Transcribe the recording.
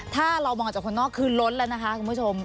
คุณผู้ชมออกจากคนนอกคือล้นแล้วนะคะคุณผู้ชม